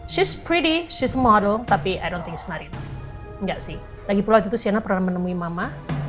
she's pretty shkees model tapi enggak sih lagi waktu itu saya pernah menemui mama